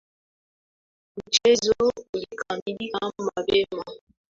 Mchezo ulikamilika mapema.